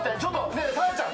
ねえ紗絵ちゃん！